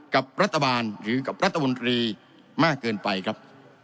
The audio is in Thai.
กับรัฐบาลหรือกับรัฐมนตรีมากเกินไปครับ